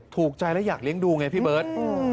ถูกใจและอยากเลี้ยงดูไงพี่เบิร์ต